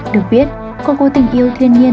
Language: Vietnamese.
được biết cô cố tình yêu thiên nhiên